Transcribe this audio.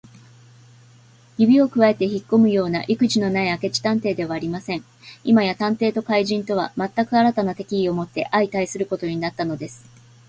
指をくわえてひっこむようないくじのない明智探偵ではありません。今や探偵と怪人とは、まったく新たな敵意をもって相対することになったのです。